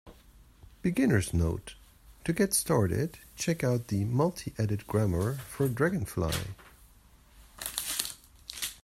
Beginner's note: to get started, check out the multiedit grammar for dragonfly.